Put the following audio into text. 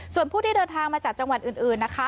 ส่วนผู้ที่เดินทางมาจากจังหวัดอื่นนะคะ